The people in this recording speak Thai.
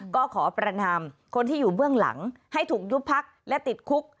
ก็ขอประนามคนที่อยู่เบื้องหลังให้ถูกยุบพักและติดคุก